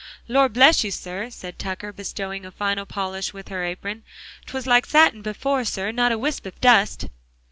"Lor' bless you, sir," said Tucker, bestowing a final polish with her apron, "'twas like satin before, sir not a wisp of dust."